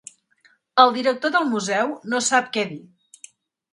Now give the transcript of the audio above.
El director del museu no sap què dir.